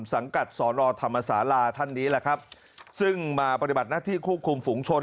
สังกัดสอนอธรรมศาลาท่านนี้แหละครับซึ่งมาปฏิบัติหน้าที่ควบคุมฝุงชน